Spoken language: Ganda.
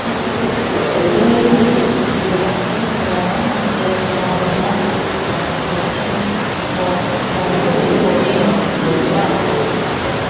Teri kirala kye tunoonya mu bino byonna.